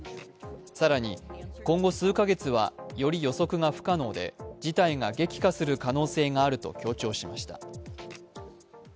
更に今後数カ月はより予測が不可能で事態が激化する可能性があると強調しました。